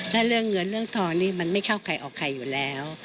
ถ้าเรื่องเงินเรื่องทองนี่มันไม่เข้าใครออกใครอยู่แล้ว